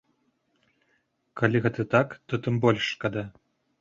Калі гэта так, то тым больш шкада.